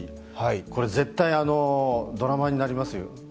これ絶対、ドラマになりますよ。